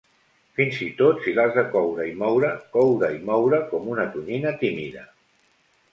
Fins i tot si l'has de coure i moure, coure i moure com una tonyina tímida.